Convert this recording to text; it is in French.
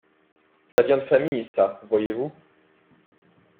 Ca vient de famille, ça, voyez-vous !